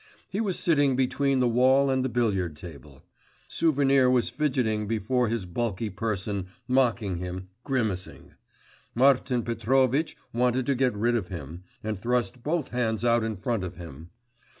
He was sitting between the wall and the billiard table. Souvenir was fidgeting before his bulky person, mocking him, grimacing.… Martin Petrovitch wanted to get rid of him, and thrust both hands out in front of him.